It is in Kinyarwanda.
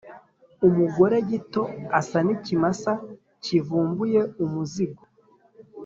Umugore gito asa n’ikimasa cyivumbuye umuzigo,